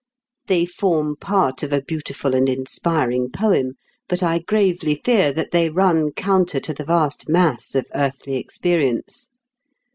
They form part of a beautiful and inspiring poem, but I gravely fear that they run counter to the vast mass of earthly experience.